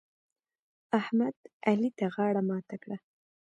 احمد؛ علي ته غاړه ماته کړه.